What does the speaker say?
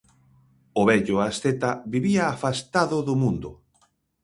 O vello asceta vivía afastado do mundo.